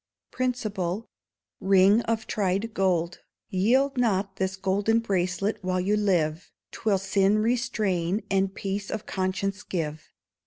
Principle Ring of Tried Gold. Yield not this golden bracelet while you live, 'Twill sin restrain, and peace of conscience give.